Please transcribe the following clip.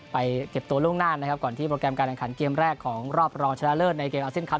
ไปเก็บตัวเรื่องน่านนะครับก่อนที่โปรแกรมการทางขันเกมแรกของรอบรองชาลเลิศในเกมอัลซินคลัพย์